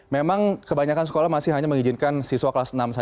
memang kebanyakan sekolah masih hanya mengizinkan siswa kelas enam saja